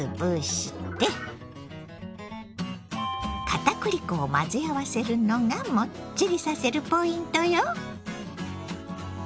片栗粉を混ぜ合わせるのがもっちりさせるポイントよ。